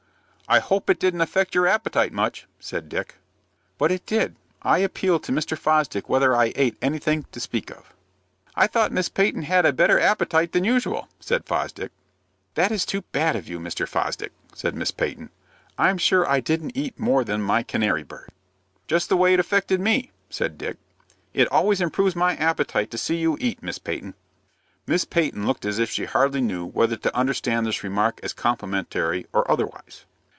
"I hope it didn't affect your appetite much," said Dick. "But it did. I appeal to Mr. Fosdick whether I ate anything to speak of." "I thought Miss Peyton had a better appetite than usual," said Fosdick. "That is too bad of you, Mr. Fosdick," said Miss Peyton. "I'm sure I didn't eat more than my canary bird." "Just the way it affected me," said Dick. "It always improves my appetite to see you eat, Miss Peyton." Miss Peyton looked as if she hardly knew whether to understand this remark as complimentary or otherwise.